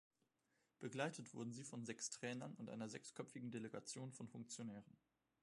Begleitet wurden sie von sechs Trainern und einer sechsköpfigen Delegation von Funktionären.